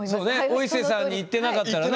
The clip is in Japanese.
お伊勢さんに行ってなかったらね。